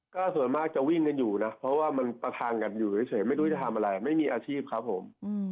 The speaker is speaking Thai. ก็ส่วนมากจะวิ่งกันอยู่นะเพราะว่ามันประทังกันอยู่เฉยไม่รู้จะทำอะไรไม่มีอาชีพครับผม